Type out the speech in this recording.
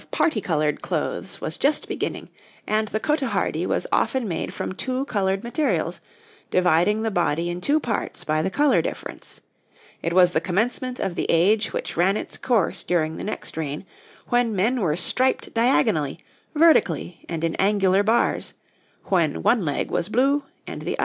] The time of parti coloured clothes was just beginning, and the cotehardie was often made from two coloured materials, dividing the body in two parts by the colour difference; it was the commencement of the age which ran its course during the next reign, when men were striped diagonally, vertically, and in angular bars; when one leg was blue and the other red.